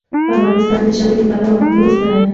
افغانستان د ژمی له پلوه متنوع دی.